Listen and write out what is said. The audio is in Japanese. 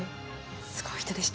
すごい人でした。